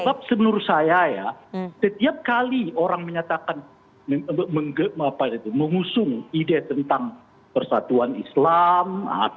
sebab menurut saya ya setiap kali orang menyatakan mengusung ide tentang persatuan islam